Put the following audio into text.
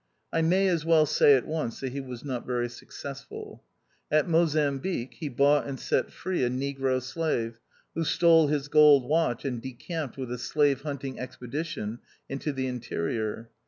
I may as well say at once that he was not very successful. At Mozambique he bought and set free a negro slave, who stole his gold watch and decamped with a slave hunting expedition into the interior.